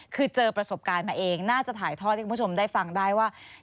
คือเจอประสบการณ์มาเองน่าจะถ่ายทอดให้คุณผู้ชมได้ฟังได้ว่า